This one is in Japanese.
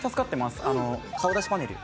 顔出しパネル